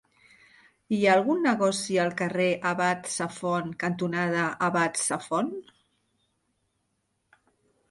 Hi ha algun negoci al carrer Abat Safont cantonada Abat Safont?